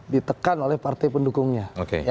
ditekan oleh partai pendukungnya